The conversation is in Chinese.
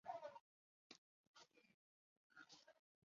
草苁蓉为列当科草苁蓉属下的一个种。